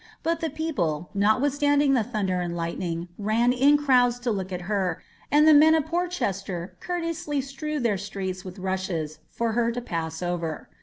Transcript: But the people, notwithstanding the thunder and lightning, ran in crowds to look at her, anil the men of Porchester courteously strewetl their streets with rushes, for her to pass over.